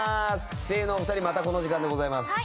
声優のお二人またこの時間でございます。